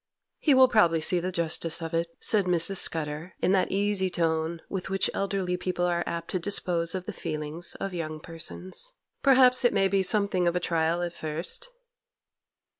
'He will probably see the justice of it,' said Mrs. Scudder, in that easy tone with which elderly people are apt to dispose of the feelings of young persons. 'Perhaps it may be something of a trial at first.